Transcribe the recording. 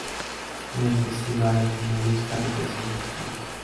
En el festival, el finalista representa a su país.